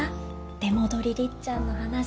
出戻りりっちゃんの話。